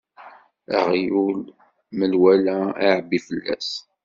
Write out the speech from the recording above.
Aɣyul, menwala iɛebbi fell-as.